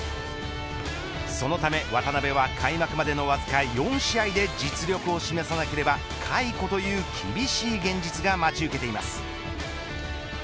そのため渡邊は開幕までのわずか４試合で実力を示さなければ解雇という厳しい現実が待ち受けています。